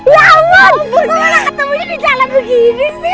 kamu mana ketemu dia di jalan begini sih